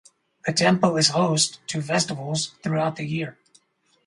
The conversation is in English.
The temple is host to festivals throughout the year.